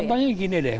contohnya gini deh